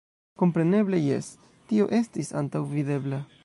Kompreneble jes, tio estis antaŭvidebla.